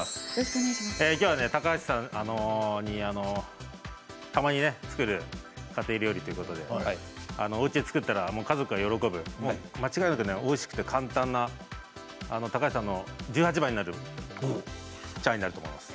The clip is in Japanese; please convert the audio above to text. きょうは高橋さんにたまに作る家庭料理ということでおうちで作ったら、家族が喜ぶ間違いなくおいしくて簡単な高橋さんの十八番になるチャーハンになると思います。